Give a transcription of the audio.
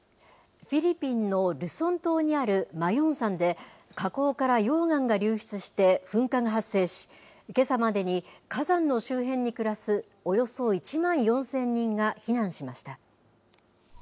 フィリピンのルソン島にあるマヨン山で、火口から溶岩が流出して噴火が発生し、けさまでに火山の周辺に暮らすおよそ１万４０００人が避難しました。